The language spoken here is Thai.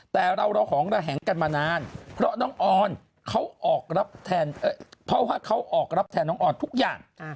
แต่เราระหองระแหงกันมานานเพราะน้องออนเขาออกรับแทนเพราะว่าเขาออกรับแทนน้องออนทุกอย่าง